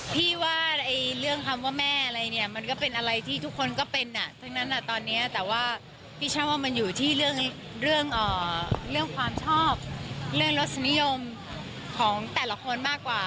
พี่ว่าเรื่องคำว่าแม่อะไรเนี่ยมันก็เป็นอะไรที่ทุกคนก็เป็นทั้งนั้นตอนนี้แต่ว่าพี่ชอบว่ามันอยู่ที่เรื่องความชอบเรื่องรสนิยมของแต่ละคนมากกว่า